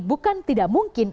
bukan tidak mungkin